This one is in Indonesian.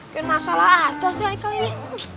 kan masalah aja sih kali ini